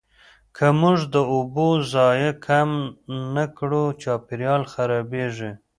که موږ د اوبو ضایع کم نه کړو، چاپیریال خرابېږي.